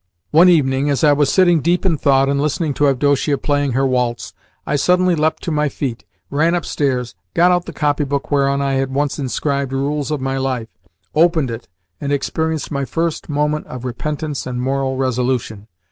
One evening, as I was sitting deep in thought and listening to Avdotia playing her waltz, I suddenly leapt to my feet, ran upstairs, got out the copy book whereon I had once inscribed "Rules of My Life," opened it, and experienced my first moment of repentance and moral resolution.